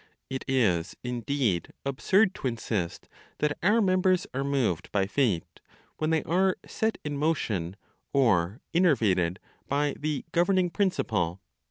It is, indeed, absurd to insist that our members are moved by Fate when they are set in motion, or innervated, by the "governing principle."